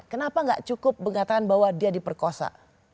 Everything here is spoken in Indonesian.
kenapa gak cukup mengatakan bahwa dia diperkosa